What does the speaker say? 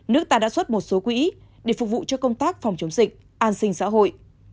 nước ta đã xuất một số quỹ để phục vụ cho công tác phòng chống dịch an sinh xã hội